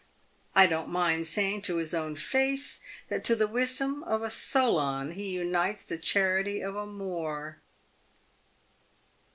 I don't mind saying to his own face that to the wisdom of a Solon he unites the charity of a Moore."